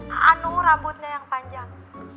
eh anu rambutnya yang panjang